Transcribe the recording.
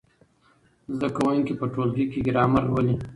زده کوونکي په ټولګي کې ګرامر لولي.